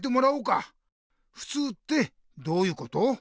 ふつうってどういうこと？